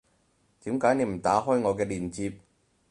點解你唔打開我嘅鏈接